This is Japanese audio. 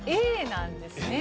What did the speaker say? Ａなんですね。